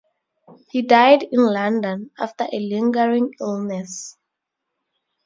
He died in London, after a lingering illness.